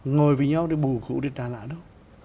ngồi với nhau để bù củ để trả lãi đâu